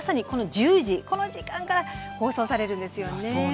この時間から放送されるんですよね。